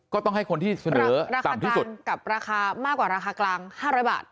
ก็ต้องให้คนที่เสนอต่ำที่สุดราคากลางกับราคามากกว่าราคากลาง๕๐๐บาท